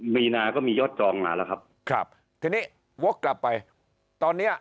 มีนาก็มียอดจองมาแล้วครับครับทีนี้วกกลับไปตอนเนี้ย